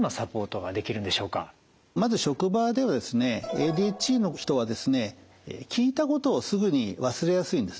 まず職場ではですねＡＤＨＤの人はですね聞いたことをすぐに忘れやすいんですね。